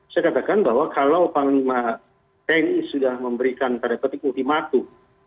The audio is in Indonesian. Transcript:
saya katakan bahwa kalau panglima tni sudah memberikan tanda petik ultimatum